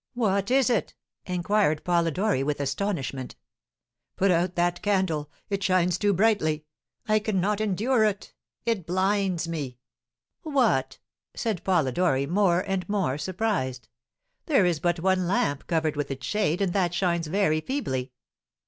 "What is it?" inquired Polidori, with astonishment. "Put out that candle it shines too brightly. I cannot endure it it blinds me!" "What!" said Polidori, more and more surprised. "There is but one lamp covered with its shade, and that shines very feebly."